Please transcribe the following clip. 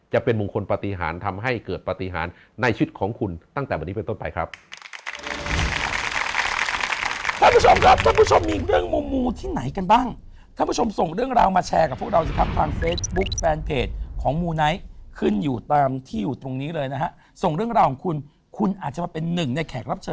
จะเป็นมงคลปฏิหารทำให้เกิดปฏิหารในชีวิตของคุณตั้งแต่วันนี้เป็นต้นไปครับ